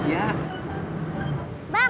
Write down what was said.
gila ini udah berhasil